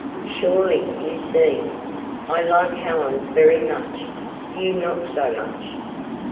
"Surely you see. I like Helen very much, you not so much.